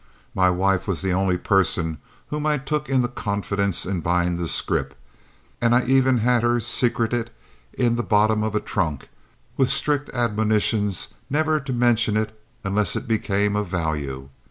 My wife was the only person whom I took into confidence in buying the scrip, and I even had her secrete it in the bottom of a trunk, with strict admonitions never to mention it unless it became of value.